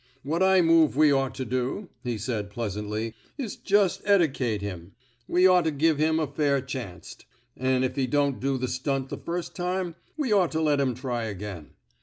^' What I move we ought to do,'' he said, pleasantly, ^^ is jus' edacate him. We ought to give him a fair chanst. An' if he don't do the stunt the firs' time, we ought to let him try again.